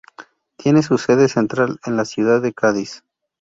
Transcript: Tiene su sede central en la ciudad de Cádiz.